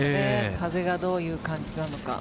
風がどういう感じなのか。